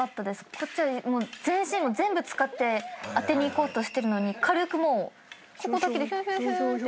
こっちは全身全部使って当てにいこうとしてるのに軽くもうここだけでヒュンヒュンヒュンって。